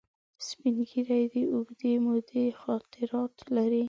سپین ږیری د اوږدې مودې خاطرات لري